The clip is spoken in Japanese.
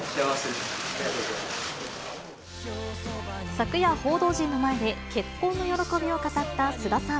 昨夜、報道陣の前で結婚の喜びを語った菅田さん。